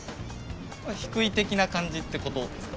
低い的な感じってことですか？